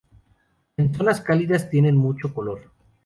En zonas cálidas tienen mucho color.